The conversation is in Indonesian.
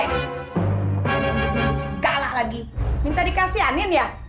nggak ada tapi tapian salah sendiri